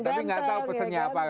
tapi nggak tahu pesannya apa